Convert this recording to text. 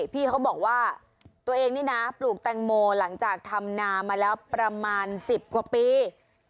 พี่เขาบอกว่าตัวเองนี่นะปลูกแตงโมหลังจากทำนามาแล้วประมาณ๑๐กว่าปี